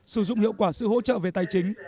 sử dụng hiệu quả sự hỗ trợ về tài chính